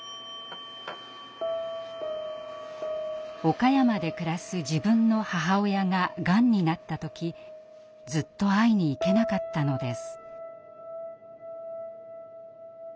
岡山で暮らす自分の母親ががんになった時ずっと会いに行けなかったのです。